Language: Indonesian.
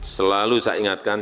selalu saya ingatkan